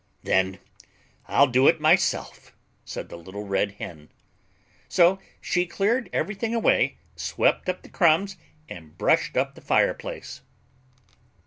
"Then I'll do it myself," said the little Red Hen. So she cleared everything away, swept up the crumbs, and brushed up the fireplace.